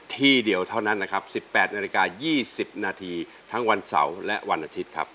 ที่เดียวเท่านั้นนะครับ๑๘นาฬิกา๒๐นาทีทั้งวันเสาร์และวันอาทิตย์ครับ